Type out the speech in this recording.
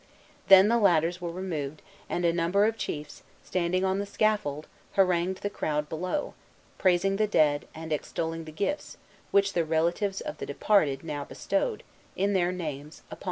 Then the ladders were removed; and a number of chiefs, standing on the scaffold, harangued the crowd below, praising the dead, and extolling the gifts, which the relatives of the departed now bestowed, in their names, upon their surviving friends.